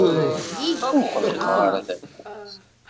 Ur ɣellqeɣ ara tawwurt.